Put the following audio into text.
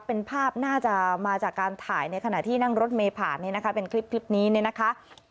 เป็นภาพน่าจะมาจากการถ่ายในขณะที่นั่งรถเมภาคเป็นคลิปนี้นะคะ